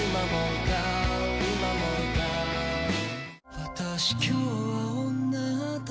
「私今日は女だから」